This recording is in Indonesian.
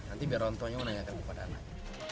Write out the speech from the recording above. nanti biar orang tuanya menanyakan kepada anaknya